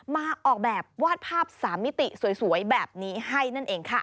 มาออกแบบวาดภาพ๓มิติสวยแบบนี้ให้นั่นเองค่ะ